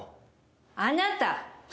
あなた！